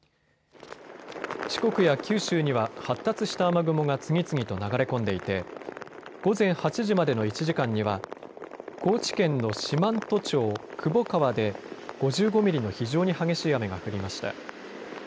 四国や九州には発達した雨雲が次々と流れ込んでいて午前８時までの１時間には高知県の四万十町窪川で５５ミリの非常に激しい雨が降りました。